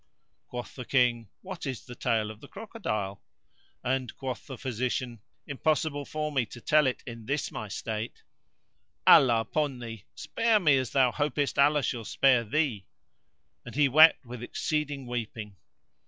Quoth the King,"What is the tale of the crocodile?", and quoth the physician, "Impossible for me to tell it in this my state; Allah upon thee, spare me, as thou hopest Allah shall spare thee." And he wept with exceeding weeping.